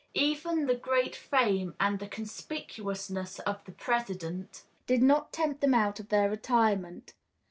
Even the great fame and conspicuousness of the President did not tempt them out of their retirement.